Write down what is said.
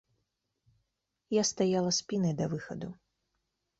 Я стаяла спінай да выхаду.